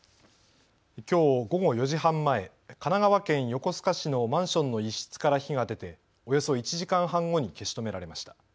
きょう午後４時半前、神奈川県横須賀市のマンションの一室から火が出ておよそ１時間半後に消し止められました。